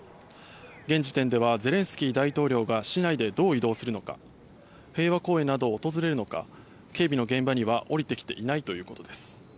現時点ではゼレンスキー大統領が市内でどう移動するのか平和公園などを訪れるのか警備の現場には下りてきていないということです。